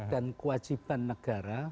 dan kewajiban negara